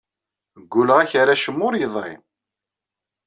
Ggulleɣ-ak ar acemma ur yeḍri.